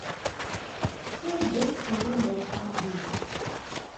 Цел ден пробувам да останам буден.